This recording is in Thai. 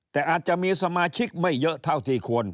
แต่อาจจะมีสมาชิกไม่เยอะเท่าที่ควร